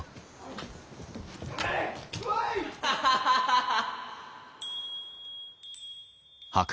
ハハハハハ！